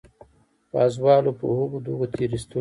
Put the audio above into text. پازوالو په هغو دغو تېرېستلو.